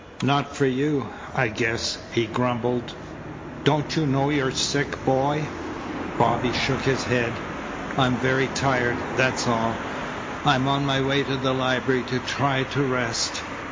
"Not for you, I guess," he grumbled. "Don't you know you're sick, boy?" Bobby shook his head. "I'm very tired. That's all. I'm on my way to the library to try to rest."